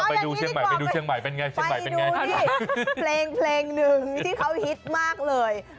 ไปดูเพลงหนึ่งที่เขาฮิตมากเลย